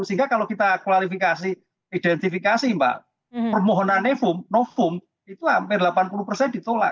sehingga kalau kita kualifikasi identifikasi mbak permohonannya novum itu hampir delapan puluh persen ditolak